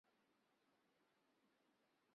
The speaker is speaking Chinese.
过去的播放电视台